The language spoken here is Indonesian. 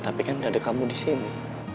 tapi kan ada kamu disini